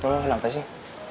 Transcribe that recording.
loh kenapa sih